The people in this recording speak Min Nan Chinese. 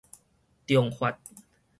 長髮